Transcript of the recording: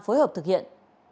phối hợp thực hiện